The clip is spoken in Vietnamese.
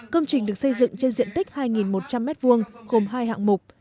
công trình được xây dựng trên diện tích hai một trăm linh m hai gồm hai hạng mục